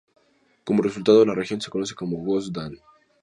Como resultado, la región se conoce como Gush Dan.